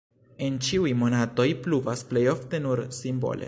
En ĉiuj monatoj pluvas (plej ofte nur simbole).